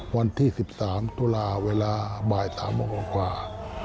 วันที่๑๓ตุลาเวลาบ่าย๓โมงกว่า